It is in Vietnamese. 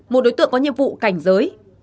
một đối tượng có nhiệm vụ cảnh giới